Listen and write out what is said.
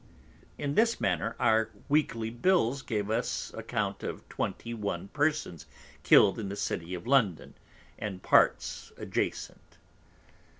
In this Manner, our Weekly Bills gave us an Account of Twenty One Persons kill'd in the City of London, and Parts adjacent.